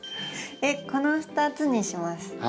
この２つにします。